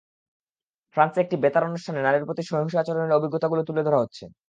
ফ্রান্সে একটি বেতার অনুষ্ঠানে নারীর প্রতি সহিংস আচরণের অভিজ্ঞতাগুলো তুলে ধরা হচ্ছে।